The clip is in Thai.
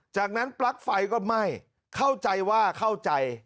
จากนั้นปลั๊กไฟก็ไหม้เข้าใจว่าเข้าใจ